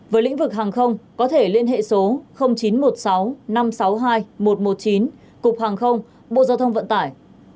với lĩnh vực hàng không có thể liên hệ số chín trăm một mươi sáu năm trăm sáu mươi hai một trăm một mươi chín cục hàng không bộ giao thông vận tải